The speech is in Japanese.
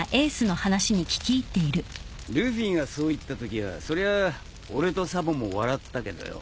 ルフィがそう言ったときはそりゃ俺とサボも笑ったけどよ。